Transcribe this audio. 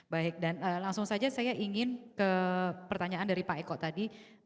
baik dan langsung saja saya ingin ke pertanyaan dari pak eko tadi